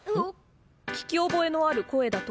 聞き覚えのある声だと思ったら。